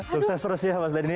sukses terus ya mas dhani